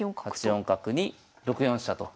８四角に６四飛車と。